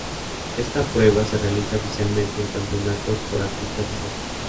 Esta prueba se realiza oficialmente en campeonatos por atletas mujeres.